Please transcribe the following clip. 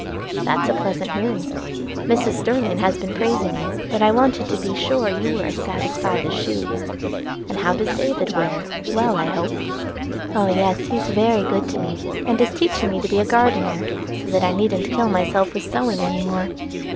"That's a pleasant hearing. Mrs. Sterling has been praising you, but I wanted to be sure you were as satisfied as she. And how does David wear? well, I hope." "Oh, yes, he is very good to me, and is teaching me to be a gardener, so that I needn't kill myself with sewing any more.